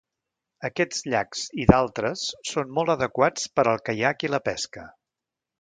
Aquests llacs i d'altres són molt adequats per al caiac i la pesca.